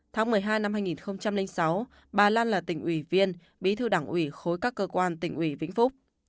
tháng một mươi hai năm hai nghìn sáu bà lan là tỉnh ủy viên bí thư đảng ủy khối các cơ quan tỉnh ủy vĩnh phúc